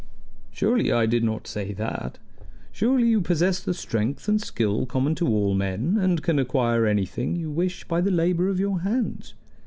"Surely I did not say that! Surely you possess the strength and skill common to all men, and can acquire anything you wish by the labor of your hands."